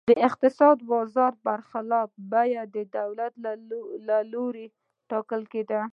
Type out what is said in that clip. د بازار اقتصاد خلاف بیې د دولت له لوري ټاکل کېدې.